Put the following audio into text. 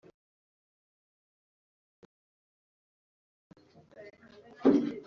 onu tariki ya ashyirwa mu bikorwa tariki